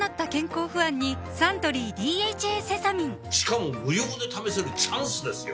しかも無料で試せるチャンスですよ